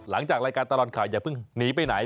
หลังจากรายการตลอดข่าวอย่าเพิ่งหนีไปไหน